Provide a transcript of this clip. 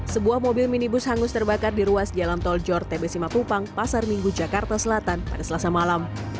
sebuah mobil minibus hangus terbakar di ruas jalan tol jor tb simatupang pasar minggu jakarta selatan pada selasa malam